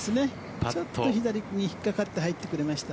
ちょっと左に引っかかって入ってくれました。